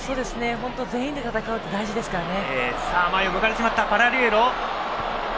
全員で戦うって大事ですからね。